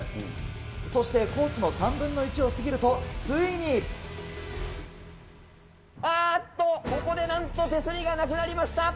そしてコースの３分の１を過ぎると、ついに。あーっと、ここでなんと手すりがなくなりました。